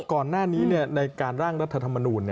ก่อนหน้านี้ในการร่างรัฐธรรมนูล